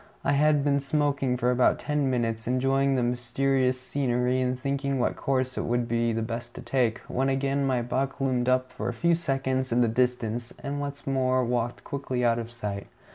I had been smoking for about ten minutes, enjoying the mysterious scenery and thinking what course it would be best to take, when again my buck loomed up for a few seconds in the distance, and once more walked quickly out of sight.